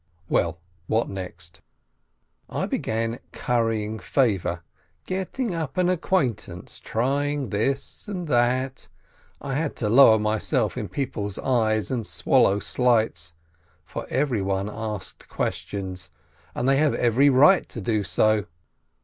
Well, what next? I began currying favor, getting up an acquaintance, trying this and that; I had to lower myself in people's eyes and swallow slights, for every one asked questions, and they had every right to do so.